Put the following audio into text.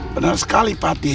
benar sekali pati